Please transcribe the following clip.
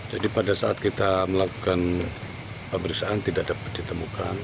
jadi pada saat kita melakukan pemeriksaan tidak dapat ditemukan